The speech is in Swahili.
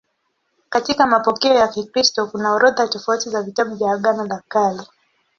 Katika mapokeo ya Kikristo kuna orodha tofauti za vitabu vya Agano la Kale.